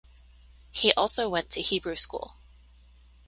He also went to Hebrew school.